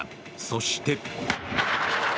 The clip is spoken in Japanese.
そして。